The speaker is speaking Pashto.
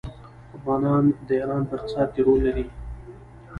افغانان د ایران په اقتصاد کې رول لري.